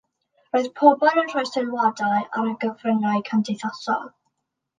Roedd pobl yn rhoi sylwadau ar y cyfryngau cymdeithasol.